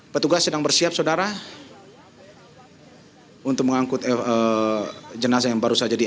petugas sedang bersiap saudara untuk mengangkut jenazah yang baru saja dia